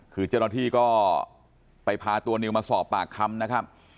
คือเจ้าหน้าที่ก็ไปพาตัวนิวมาสอบปากคำนะครับ